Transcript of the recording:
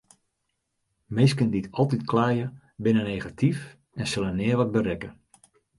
Minsken dy't altyd kleie binne negatyf en sille nea wat berikke.